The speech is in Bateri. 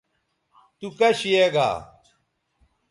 تو کش یے گا